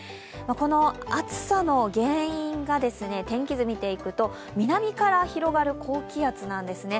この暑さの原因が天気図を見ていくと南から広がる高気圧なんですね。